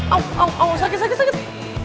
au au au sakit sakit sakit